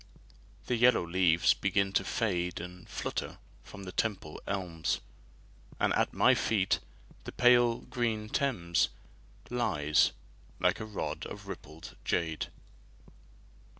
The yellow leaves begin to fade And flutter from the Temple elms, And at my feet the pale green Thames Lies like a rod of rippled jade.